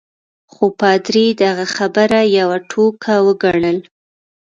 خو پادري دغه خبره یوه ټوکه وګڼل.